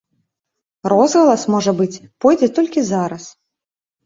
Розгалас, можа быць, пойдзе толькі зараз.